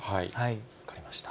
分かりました。